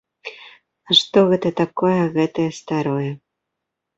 А што гэта такое гэтае старое?